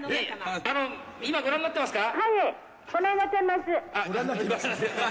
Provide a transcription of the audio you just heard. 「今ご覧になってますか？」